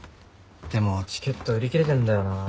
でもチケット売り切れてんだよな。